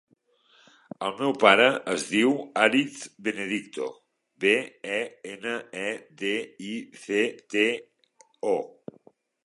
El meu pare es diu Aritz Benedicto: be, e, ena, e, de, i, ce, te, o.